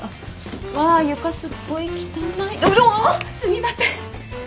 すみません。